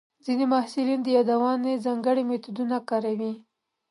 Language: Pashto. ځینې محصلین د یادونې ځانګړي میتودونه کاروي.